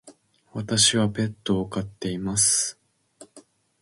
私はペットを飼っています。